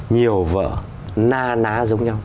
nhiều vở na ná giống nhau